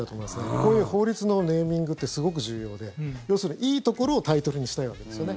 こういう法律のネーミングってすごく重要で要するにいいところをタイトルにしたいわけですよね。